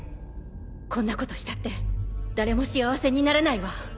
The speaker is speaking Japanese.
こんなことしたって誰も幸せにならないわ。